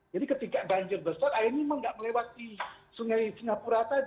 jadi ketika banjir besar air ini memang tidak melewati sungai singapura tadi